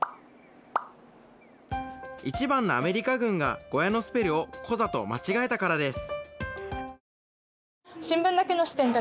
１番のアメリカ軍がＧＯＹＡのスペルをＫＯＺＡと間違えたからです。